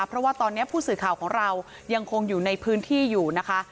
เพราะว่าตอนนี้ผู้สื่อข่าวของเรายังคงอยู่ในพื้นที่อยู่นะคะ